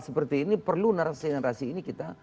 seperti ini perlu narasi narasi ini kita